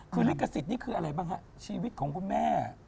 คือลิขสิทธิ์นี่คืออะไรบ้างฮะชีวิตของคุณแม่